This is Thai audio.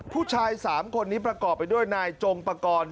ผู้ชาย๓คนนี้ประกอบไปด้วยนายจงปกรณ์